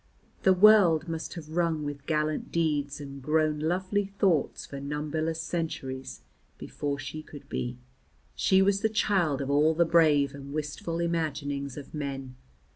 The world must have rung with gallant deeds and grown lovely thoughts for numberless centuries before she could be; she was the child of all the brave and wistful imaginings of men.